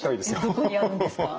どこにあるんですか？